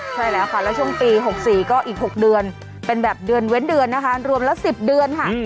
ใช่แล้วค่ะแล้วช่วงปี๖๔ก็อีก๖เดือนเป็นแบบเดือนเว้นเดือนนะคะรวมละ๑๐เดือนค่ะ